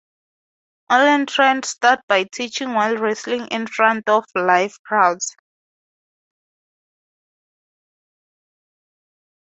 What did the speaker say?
Allen trained Studd by teaching while wrestling in front of live crowds.